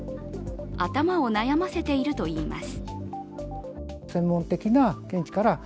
頭を悩ませているといいます。